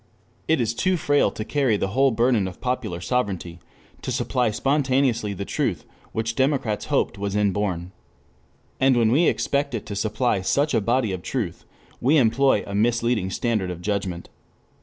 It is too frail to carry the whole burden of popular sovereignty, to supply spontaneously the truth which democrats hoped was inborn. And when we expect it to supply such a body of truth we employ a misleading standard of judgment.